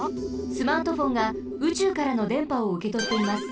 スマートフォンがうちゅうからのでんぱをうけとっています。